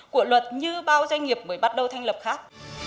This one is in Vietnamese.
của luật như bao doanh nghiệp mới bắt đầu thanh lập khác